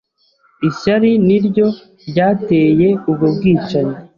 Ishyari niryo ryateye ubwo bwicanyi.